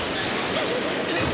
うっ！